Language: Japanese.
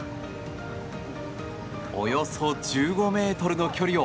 およそ１５ｍの距離を。